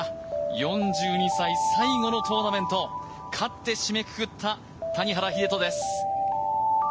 ４２歳最後のトーナメント勝って締めくくった谷原秀人です。